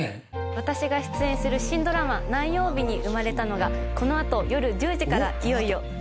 私が出演する新ドラマ『何曜日に生まれたの』がこのあと夜１０時からいよいよスタートします。